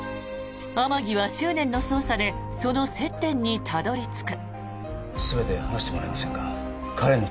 天樹は執念の捜査でその接点にたどり着く。